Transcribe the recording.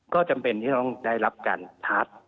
ก็จำเป็นที่ต้องได้รับการทาร์ท